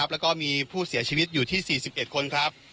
แล้วก็มีผู้เสียชีวิตอยู่ที่๔๑คนครับ